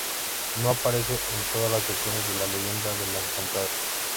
No aparece en todas las versiones de la Leyenda de la Encantada.